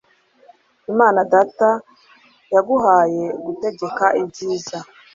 imana daata yaguhaye, gutegeka ibyiza